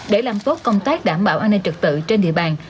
để làm tốt công tác đảm bảo an ninh trực tự trên địa bàn